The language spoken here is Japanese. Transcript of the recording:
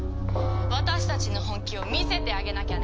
私たちの本気を見せてあげなきゃね。